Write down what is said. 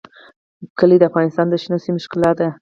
کلي د افغانستان د شنو سیمو ښکلا ده.